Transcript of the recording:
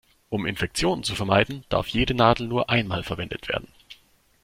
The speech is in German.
Um Infektionen zu vermeiden, darf jede Nadel nur einmal verwendet werden.